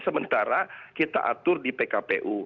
sementara kita atur di pkpu